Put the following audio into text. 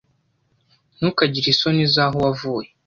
Ntukagire isoni zaho wavuye.